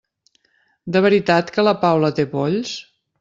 De veritat que la Paula té polls?